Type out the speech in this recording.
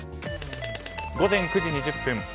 午前９時２０分。